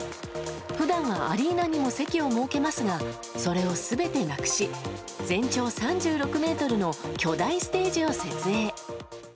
普段はアリーナにも席を設けますがそれを全てなくし全長３６ｍの巨大ステージを設営。